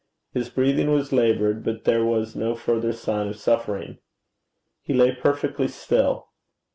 His breathing was laboured, but there was no further sign of suffering. He lay perfectly still.